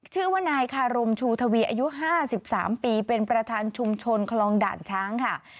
ชื่อว่านายคารมชูทวีอายุ๕๓ปีเป็นประธานชุมชนคลองด่านช้างค่ะ